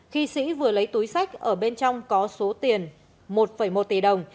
khi sĩ vừa lấy túi sách ở bên trong có số tiền một một tỷ đồng